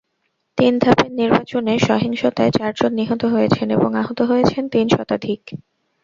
তিন ধাপের নির্বাচনে সহিংসতায় চারজন নিহত হয়েছেন এবং আহত হয়েছেন তিন শতাধিক।